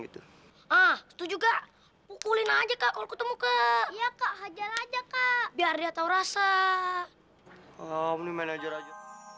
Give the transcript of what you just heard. itu juga pukulin aja kalau ketemu ke ya kak aja aja kak biar dia tahu rasa omni manajer aja